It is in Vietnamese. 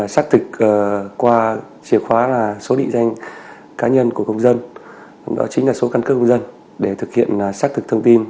xác thực qua chìa khóa là số địa danh cá nhân của công dân đó chính là số căn cứ công dân